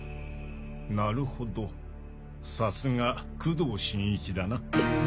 なるほどさすが工藤新一だな。